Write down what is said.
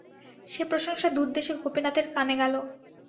সে প্রশংসা দূরদেশে গোপীনাথের কানে গেল।